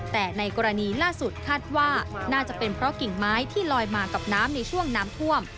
แต่ในกรณีล่าสุดคาดว่าน่าจะเป็นเพราะกิ่งไม้ที่ลอยมากับน้ำในช่วงน้ำท่วม